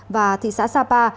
và thị xã sapa